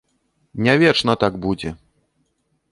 Не вечна так будзе!